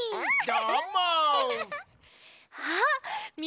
どーも！